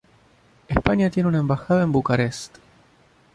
España tiene una embajada en Bucarest.